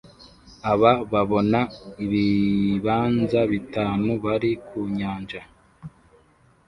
Aba babona ibibanza bitanu bari ku Nyanja